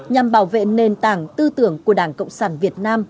nhằm bảo vệ nền tảng tư tưởng của đảng cộng sản việt nam